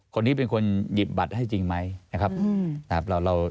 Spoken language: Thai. คนนี้เป็นคนหยิบบัตรให้จริงไหมนะครับ